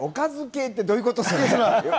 おかず系ってどういうことですか？